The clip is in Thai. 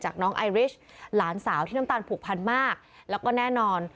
น้องไอริชหลานสาวที่น้ำตาลผูกพันมากแล้วก็แน่นอน